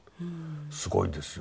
すごいですよ。